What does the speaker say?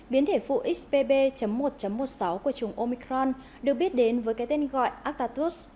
biến thể phụ xbb một một mươi sáu của chùng omicron được biết đến với cái tên gọi actatus